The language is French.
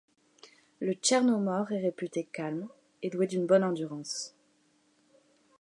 Le Tchernomor est réputé calme, et doué d'une bonne endurance.